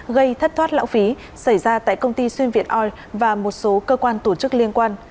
gây thất thoát lão phí xảy ra tại công ty xuyên việt oil và một số cơ quan tổ chức liên quan